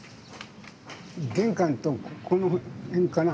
玄関とこの辺かな。